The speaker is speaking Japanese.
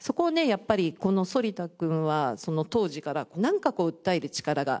やっぱりこの反田君は当時から何かこう訴える力が。